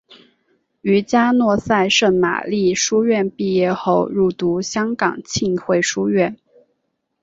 于嘉诺撒圣玛利书院毕业后入读香港浸会学院。